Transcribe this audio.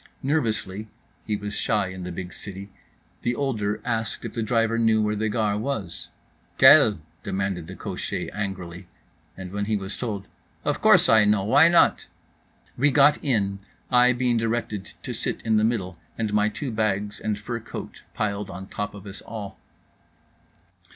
Nervously (he was shy in the big city) the older asked if the driver knew where the Gare was. "Laquelle?" demanded the cocher angrily. And when he was told—"Of course, I know, why not?" We got in; I being directed to sit in the middle, and my two bags and fur coat piled on top of us all.